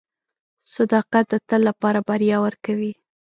• صداقت د تل لپاره بریا ورکوي.